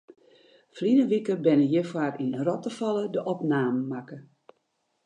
Ferline wike binne hjirfoar yn Rottefalle de opnamen makke.